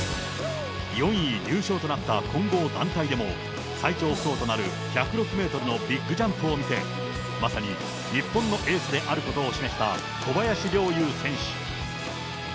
４位入賞となった混合団体でも、最長ふとうとなる１０６メートルのビッグジャンプを見せ、まさに日本のエースであることを示した小林陵侑選手。